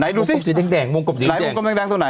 ไหนดูสิวงกลมสีแดงวงกลมสีแดงไหนวงกลมแดงตรงไหน